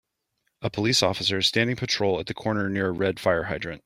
A police officer is standing patrol at the corner near a red fire hydrant.